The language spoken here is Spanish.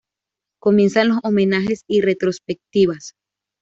Comienzan los homenajes y retrospectivas.